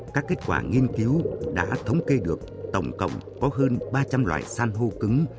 các kết quả nghiên cứu đã thống kê được tổng cộng có hơn ba trăm linh loại san hô cứng